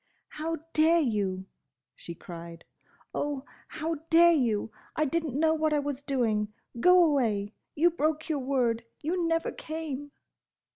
"How dare you!" she cried. "Oh! how dare you! I didn't know what I was doing. Go away! You broke your word! You never came!"